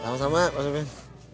sama sama pak soebin